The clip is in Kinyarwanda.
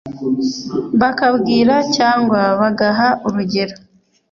bakabwira cyangwa bagaha urugero